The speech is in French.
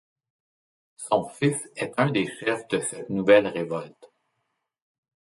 Son fils est un des chefs de cette nouvelle révolte.